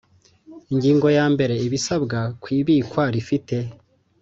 Ingingo yambere Ibisabwa ku ibikwa rifite